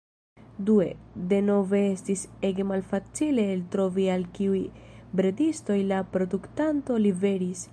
Due, denove estis ege malfacile eltrovi al kiuj bredistoj la produktanto liveris.